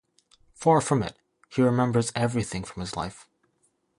Far from it, he remembers everything from his life.